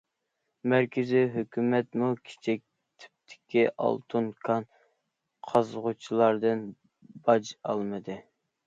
مەركىزى ھۆكۈمەتمۇ كىچىك تىپتىكى ئالتۇن كان قازغۇچىلاردىن باج ئالمىدى.